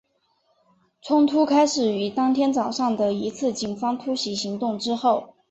冲突开始于当天早上的一次警方突袭行动之后。